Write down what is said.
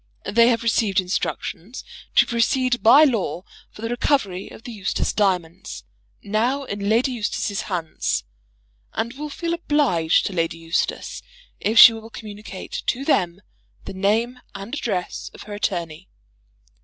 They have received instructions to proceed by law for the recovery of the Eustace diamonds, now in Lady Eustace's hands, and will feel obliged to Lady Eustace if she will communicate to them the name and address of her attorney.